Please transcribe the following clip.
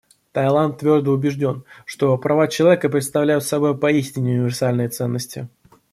Таиланд твердо убежден, что права человека представляют собой поистине универсальные ценности.